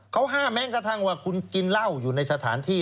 เขาห้ามแม้กระทั่งว่าคุณกินเหล้าอยู่ในสถานที่